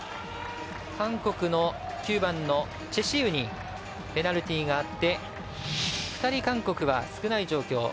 韓国の９番のチェ・シウにペナルティーがあって２人、韓国は少ない状況。